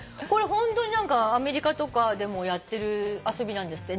ホントにアメリカとかでもやってる遊びなんですって。